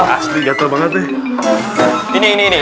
asli gatel banget nih